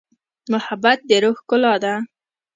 محبت د روح ښکلا ده.